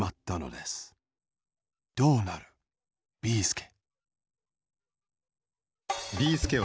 どうなるビーすけ